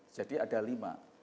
jadi ada lima